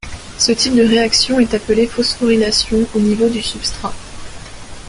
Ce type de réaction est appelé phosphorylation au niveau du substrat.